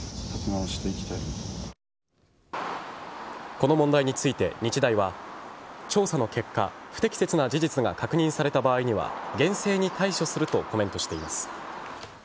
この問題について日大は調査の結果、不適切な事実が確認された場合には厳正に対処するとコメントしています。